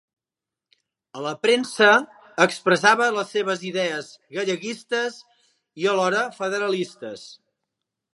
A la premsa expressava les seves idees galleguistes i alhora federalistes.